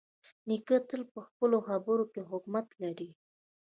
نیکه تل په خپلو خبرو کې حکمت لري.